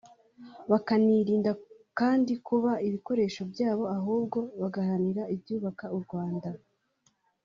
bakanirinda kandi kuba ibikoresho byabo ahubwo bagaharanira ibyubaka u Rwanda